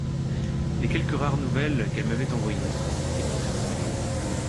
Les quelques rares nouvelles qu’elle m’avait envoyées n’étaient pas très bonnes.